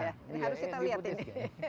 harus kita lihat ini